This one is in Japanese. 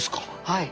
はい。